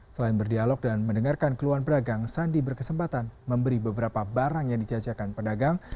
selain berdialog dan mendengarkan keluhan pedagang sandi berkesempatan memberi beberapa barang yang dijajakan pedagang